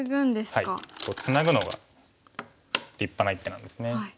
はいツナぐのが立派な一手なんですね。